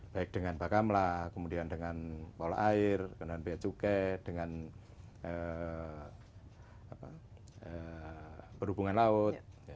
baik dengan bakamlah kemudian dengan pola air dengan pihak cukai dengan perhubungan laut